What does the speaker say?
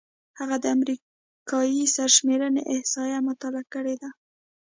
هغه د امریکايي سرشمېرنې احصایې مطالعه کړې دي.